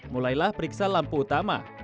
mulailah periksa lampu utama